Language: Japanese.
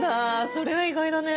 それは意外だね。